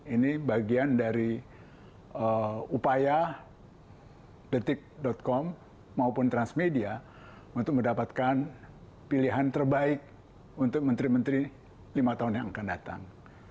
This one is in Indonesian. ini bagian dari upaya detik com maupun transmedia untuk mendapatkan pilihan terbaik untuk menteri menteri lima tahun yang akan datang